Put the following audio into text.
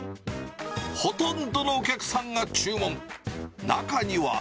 ほとんどのお客さんが注文。